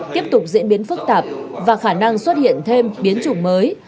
tiếp tục diễn biến phức tạp và khả năng xuất hiện thêm biến chủng mới